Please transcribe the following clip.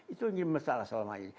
itu masalah selama ini